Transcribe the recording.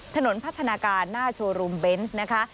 ถนนพัฒนาการหน้าโชว์รูมเบนส์นะคะ